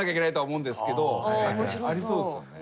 ありそうですよね。